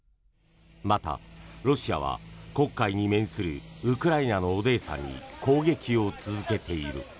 またロシアは黒海に面するウクライナのオデーサに攻撃を続けている。